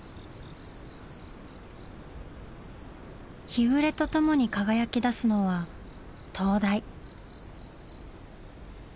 日暮れとともに輝きだすのは灯台。